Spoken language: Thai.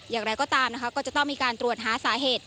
อย่างไรก็ตามนะคะก็จะต้องมีการตรวจหาสาเหตุ